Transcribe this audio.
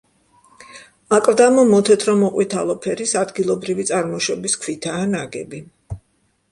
აკლდამა მოთეთრო-მოყვითალო ფერის ადგილობრივი წარმოშობის ქვითაა ნაგები.